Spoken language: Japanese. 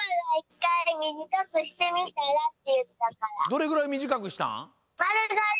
どれぐらいみじかくしたん？